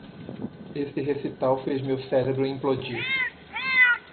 Esse recital fez meu cérebro implodir.